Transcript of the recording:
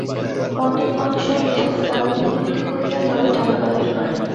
পণ্ডিতমহাশয় বিস্তর কাকুতি মিনতি করিয়া তবে টাকা বাহির করেন।